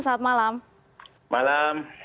selamat malam malam